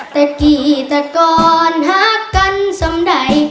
แต่กี่แต่ก่อนหักกันสำใด